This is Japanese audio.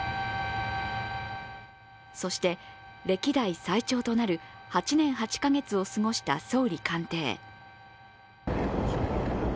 そして歴代最長となる８年８カ月を過ごした総理官邸へ。